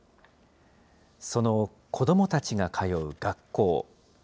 その子どもたちが通う学校。